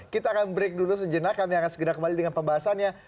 kita akan break dulu sejenak kami akan segera kembali dengan pembahasannya